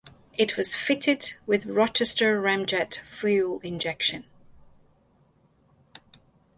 It was fitted with Rochester Ramjet fuel injection.